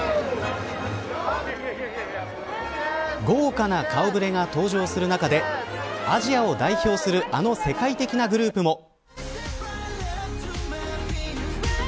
豪華な顔触れが登場する中でアジアを代表するあの世界的なグループも。